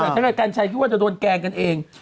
ซึ่งการชัยคิดว่าจะโดนแกงกันเอง